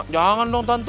jangan dong tante